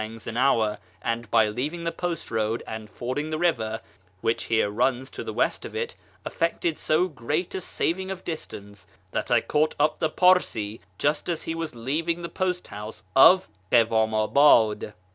5 an hour, and, by leaving the post road and fording the river (which here runs to the west of it), effected so great a saving of distance that I caught up the Parsee just as he was leaving the post house of Kiwam abad.